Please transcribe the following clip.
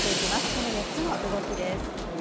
この４つの動きです。